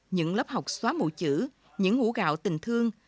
những lớp học xóa mù chữ những ngũ gạo tình thương